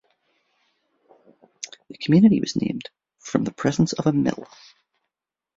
The community was named from the presence of a mill.